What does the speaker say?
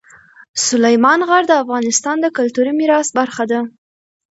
سلیمان غر د افغانستان د کلتوري میراث برخه ده.